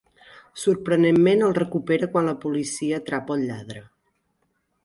Sorprenentment el recupera quan la policia atrapa el lladre.